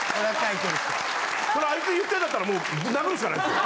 それあいつ言ってんだったらぶん殴るしかないですよ。